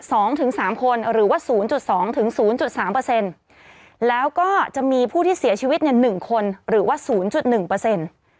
สองถึงสามคนหรือว่าศูนย์จุดสองถึงศูนย์จุดสามเปอร์เซ็นต์แล้วก็จะมีผู้ที่เสียชีวิตเนี่ยหนึ่งคนหรือว่าศูนย์จุดหนึ่งเปอร์เซ็นต์